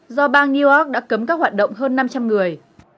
do bang new york đã cấm các hoạt động hơn năm trăm linh người